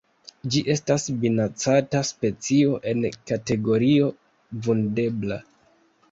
Ĝi estas minacata specio en kategorio Vundebla.